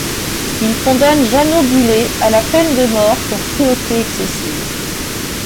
Il condamne Jeannot Bullet à la peine de mort pour cruauté excessive.